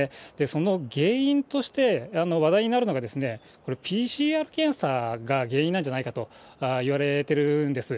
その原因として話題になるのが、これ、ＰＣＲ検査が原因なんじゃないかといわれているんです。